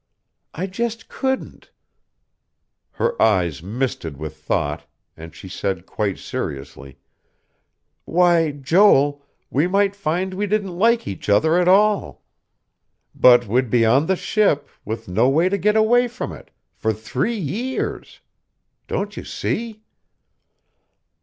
I just couldn't...." Her eyes misted with thought, and she said quite seriously: "Why, Joel, we might find we didn't like each other at all. But we'd be on the ship, with no way to get away from it ... for three years. Don't you see?"